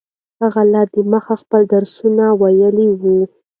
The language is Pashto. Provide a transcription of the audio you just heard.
هغه لا دمخه خپل درسونه ویلي وو.